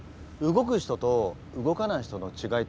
動く人と動かない人のちがい？